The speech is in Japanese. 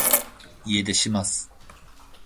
家出します